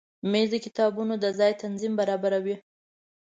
مېز د کتابونو د ځای تنظیم برابروي.